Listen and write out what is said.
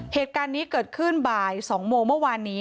เหตุการณ์นี้เกิดขึ้นบ่าย๒โมงเมื่อวานนี้